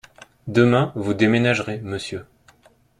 Demain, vous déménagerez, monsieur.